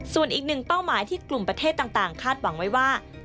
ส่วนอีกหนึ่งเป้าหมายที่กลุ่มประเทศต่างคาดหวังไว้ว่า